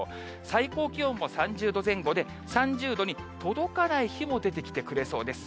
最高気温も３０度前後で、３０度に届かない日も出てきてくれそうです。